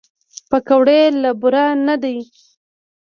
پکورې له بوره نه دي